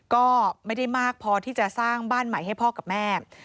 ก็ไม่ได้มากพอที่จะสร้างบ้านใหม่ให้พ่อกับแม่